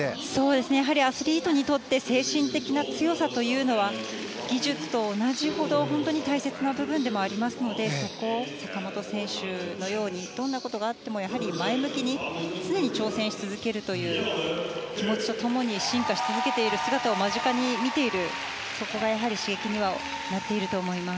アスリートにとって精神的な強さというのは技術と同じほど大切な部分でもありますのでそこを坂本選手のようにどんなことがあっても前向きに常に挑戦し続けるという気持ちと共に進化し続けている姿を間近に見ているそこがやはり刺激にはなっていると思います。